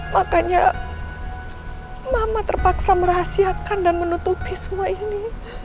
makanya mama terpaksa merahasiakan dan menutupi semua ini